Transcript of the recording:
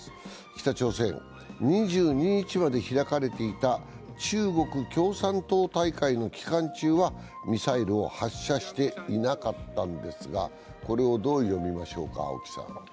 北朝鮮、２２日まで開かれていた中国共産党大会の期間中はミサイルを発射していなかったんですが、これをどう読みましょうか、青木さん。